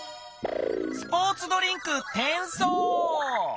スポーツドリンクてんそう。